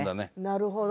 なるほど。